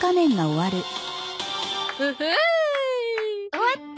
終わった？